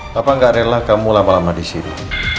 papa gak rela kamu lama lama disini